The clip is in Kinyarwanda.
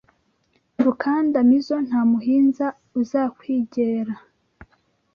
Rukanda mizo nta muhinza uzakwigera